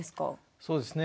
そうですね。